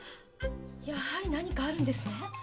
やはり何かあるんですね？